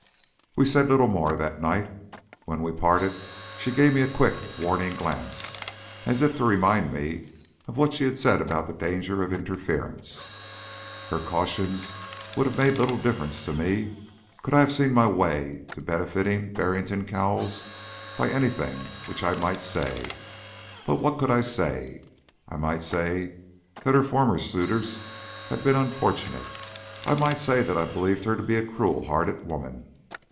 We said little more that night. When we parted she gave me a quick, warning glance, as if to remind me of what she had said about the danger of interference. Her cautions would have made little difference to me could I have seen my way to benefiting Barrington Cowles by anything which I might say. But what could I say? I might say that her former suitors had been unfortunate. I might say that I believed her to be a cruel hearted woman.